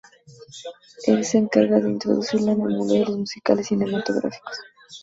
Él se encarga de introducirla en el mundo de los musicales cinematográficos.